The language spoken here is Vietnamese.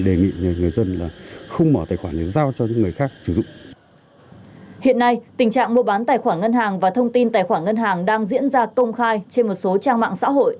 đề nghị người dân là không mở tài khoản rồi giao cho những người khác sử dụng